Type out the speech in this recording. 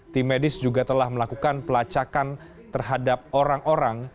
tim medis juga telah melakukan pelacakan terhadap orang orang